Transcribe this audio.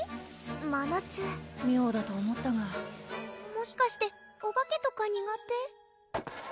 まなつ妙だと思ったがもしかしてオバケとか苦手？